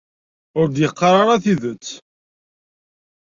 Ur d-yeqqar ara tidet.